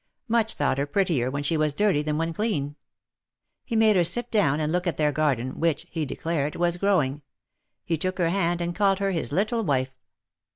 Much thought her prettier when she was dirty than when clean. He made her sit down and look at their garden, which, he declared, was growing — he took her hand and called her his little wife.